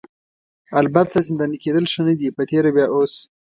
البته زنداني کیدل ښه نه دي په تېره بیا اوس.